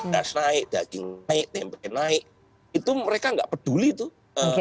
gas naik daging naik tempe naik itu mereka nggak peduli tuh